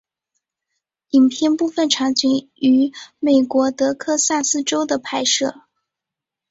影片部分场景于美国德克萨斯州的拍摄。